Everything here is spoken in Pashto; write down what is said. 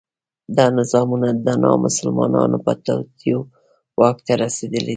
دا نظامونه د نامسلمانو په توطیو واک ته رسېدلي دي.